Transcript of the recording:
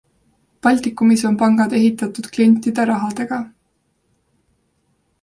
Baltikumis on pangad ehitatud klientide rahadega.